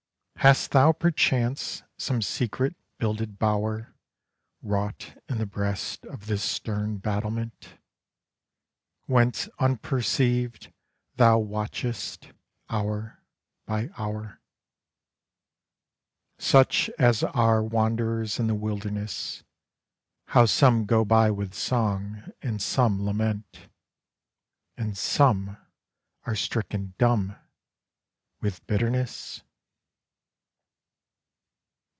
Hast thou perchance some secret builded bower Wrought in the breast of this stern battlement, Whence unperceived thou watchest, hour by hour, Such as are wanderers in the wilderness, How some go by with song, and some lament, And some are striken dumb with bitterness